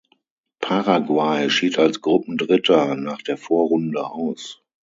Paraguay schied als Gruppendritter nach der Vorrunde aus.